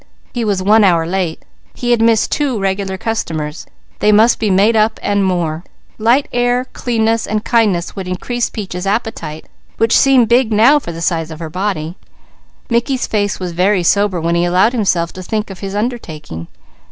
He was one hour late. He had missed two regular customers. They must be made up and more. Light, air, cleanliness, and kindness would increase Peaches' appetite, which seemed big now for the size of her body. Mickey's face was very sober when he allowed himself to think of his undertaking.